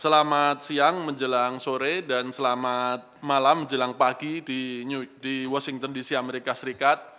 selamat siang menjelang sore dan selamat malam jelang pagi di washington dc amerika serikat